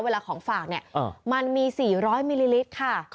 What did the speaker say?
เวลาของฝากเนี่ยมันมี๔๐๐มิลลิลิตรค่ะ